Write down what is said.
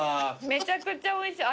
めちゃくちゃおいしい。